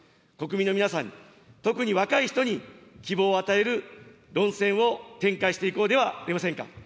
国民の皆さんに、特に若い人に、希望を与える論戦を展開していこうではありませんか。